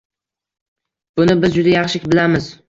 Buni biz juda yaxshi bilamiz.